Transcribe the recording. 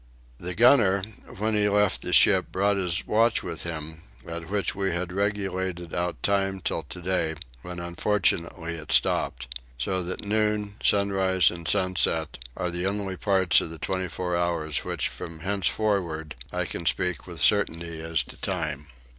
The gunner when he left the ship brought his watch with him, by which we had regulated out time till today, when unfortunately it stopped; so that noon, sunrise, and sunset, are the only parts of the 24 hours of which from henceforward I can speak with certainty as to time.